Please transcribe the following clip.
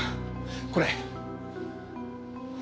これ。